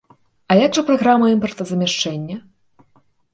А як жа праграма імпартазамяшчэння?